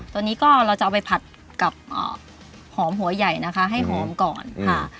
ตัวนี้ก็เราจะเอาไปผัดกับหอมหัวใหญ่นะคะให้หอมก่อนค่ะ